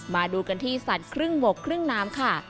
มาดูกันที่สัตว์ครึ่งบกครึ่งน้ำค่ะ